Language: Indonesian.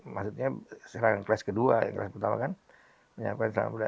maksudnya serangan kelas kedua ya kelas pertama kan